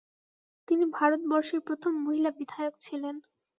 তিনি ভারতবর্ষের প্রথম মহিলা বিধায়ক ছিলেন।